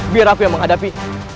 biar aku yang menghadapi